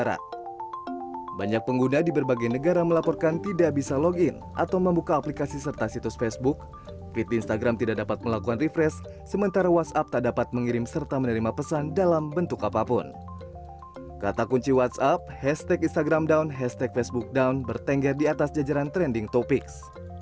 kata kunci whatsapp hashtag instagram down hashtag facebook down bertengger di atas jajaran trending topics